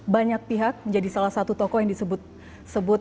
banyak pihak menjadi salah satu tokoh yang disebut